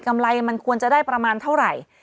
ไรมันควรจะได้ประมาณเท่าไหร่